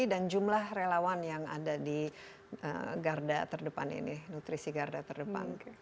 dan jumlah relawan yang ada di garda terdepan ini nutrisi garda terdepan